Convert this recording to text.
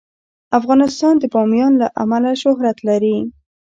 افغانستان د بامیان له امله شهرت لري.